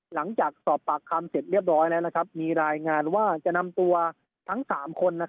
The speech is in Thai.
หลังจากสอบปากคำเสร็จเรียบร้อยแล้วมีรายงานว่าจะนำตัวทั้ง๓คน